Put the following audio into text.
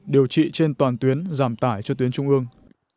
điều trị trên toàn tuyến giảm tải cho tuyến trung ương